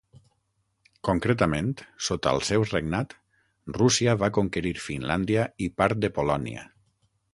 Concretament, sota el seu regnat, Rússia va conquerir Finlàndia i part de Polònia.